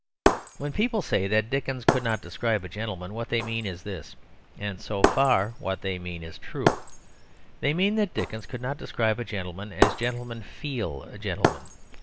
When people say that Dickens could not describe a gentleman, what they mean is this, and so far what they mean is true. They mean that Dickens could not describe a gentleman as gentlemen feel a gentleman.